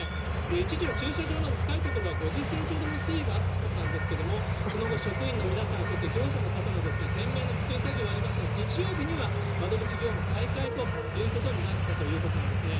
一時は駐車場など深い所は５０センチほどの水位があったそうなんですけども、その後、職員の皆さん、そして業者の方の懸命な復旧作業がありまして、日曜日には窓口業務再開ということになったということなんですね。